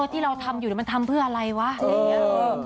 ที่เราทำอยู่แล้วมันทำเพื่ออะไรวะเออ